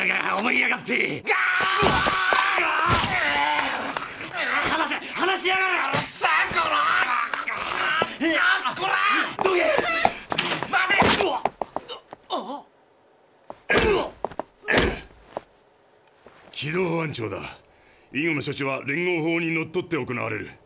以後の処置は連合法にのっとって行われる。